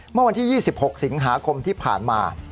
เมื่อวันที่๒๖สิงหาคมที่ผ่านมา